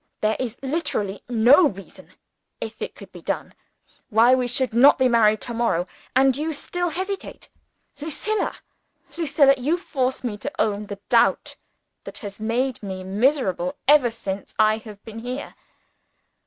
There is literally no reason if it could be done why we should not be married to morrow. And you still hesitate? Lucilla! Lucilla! you force me to own the doubt that has made me miserable ever since I have been here.